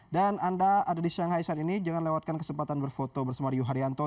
dan anda ada di shanghai saat ini jangan lewatkan kesempatan berfoto bersama rio haryanto